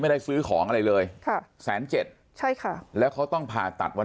ไม่ได้ซื้อของอะไรเลยค่ะแสนเจ็ดใช่ค่ะแล้วเขาต้องผ่าตัดวัน